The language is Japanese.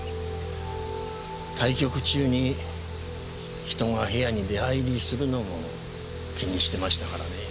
対局中に人が部屋に出入りするのも気にしてましたからね。